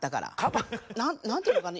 何ていうのかね